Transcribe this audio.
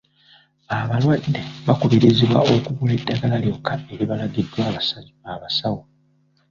Abalwadde bakubirizibwa okugula eddagala lyokka eribalagiddwa abasawo.